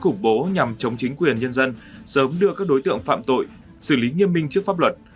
khủng bố nhằm chống chính quyền nhân dân sớm đưa các đối tượng phạm tội xử lý nghiêm minh trước pháp luật